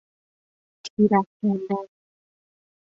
تیر افکندن